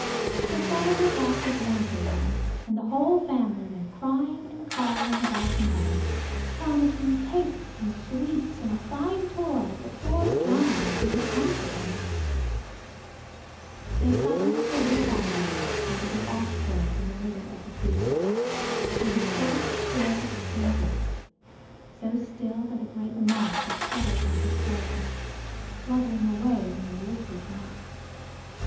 The father got his lantern then, and the whole family went crying and calling about the meadow, promising cakes and sweets and a fine toy to poor Johnnie if he would come to them. They found the little body, under the ashgrove in the middle of the field. He was quite still and dead, so still that a great moth had settled on his forehead, fluttering away when they lifted him up.